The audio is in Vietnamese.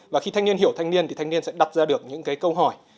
và khi thanh niên hiểu thanh niên thì thanh niên sẽ đặt ra được những cái câu hỏi